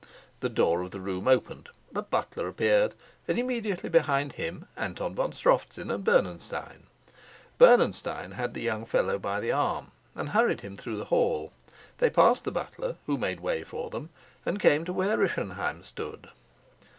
The door of the room opened; the butler appeared, and immediately behind him Anton von Strofzin and Bernenstein. Bernenstein had the young fellow by the arm, and hurried him through the hall. They passed the butler, who made way for them, and came to where Rischenheim stood.